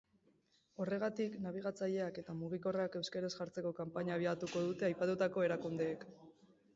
Horregatik, nabigatzaileak eta mugikorrak euskaraz jartzeko kanpaina abiatuko dute aipatutako erakundeek.